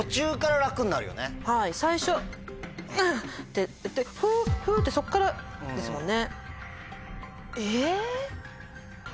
はい最初んん！ってふふってそっからですもんね。